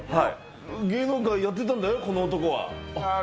芸能界やってたんだよ、この男は。